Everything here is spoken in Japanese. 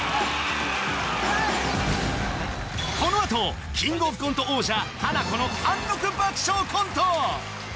このあとキングオブコント王者ハナコの貫禄爆笑コント